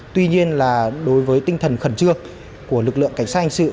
tuy nhiên là đối với tinh thần khẩn trương của lực lượng cảnh sát hình sự